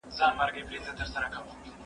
زه اوږده وخت ځواب ليکم!؟